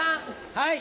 はい。